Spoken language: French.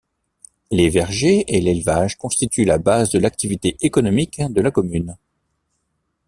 Les vergers et l’élevage constituent la base de l’activité économique de la commune.